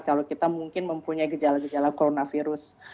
kalau kita mungkin mempunyai gejala gejala coronavirus